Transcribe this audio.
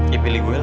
ya pilih gua lah